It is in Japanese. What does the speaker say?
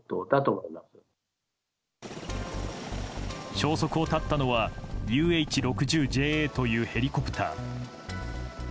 消息を絶ったのはＵＨ６０ＪＡというヘリコプター。